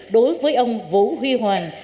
đối với ông vũ huy hoàng